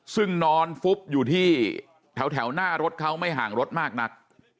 ซึ่งนอนฟุบอยู่ที่แถวหน้ารถเขาไม่ห่างรถมากนัก